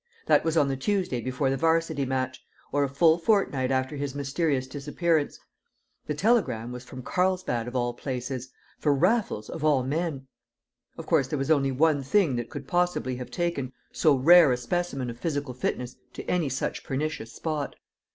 That was on the Tuesday before the 'Varsity match, or a full fortnight after his mysterious disappearance. The telegram was from Carlsbad, of all places for Raffles of all men! Of course there was only one thing that could possibly have taken so rare a specimen of physical fitness to any such pernicious spot.